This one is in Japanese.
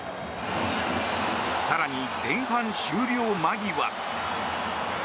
更に前半終了間際。